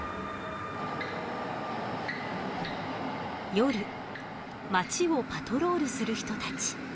夜まちをパトロールする人たち。